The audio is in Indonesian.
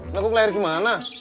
nukuk leher gimana